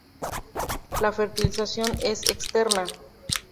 La fertilización es externa.